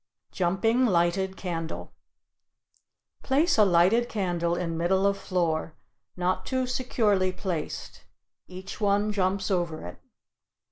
JUMPING LIGHTED CANDLE Place a lighted candle in middle of floor, not too securely placed; each one jumps over it.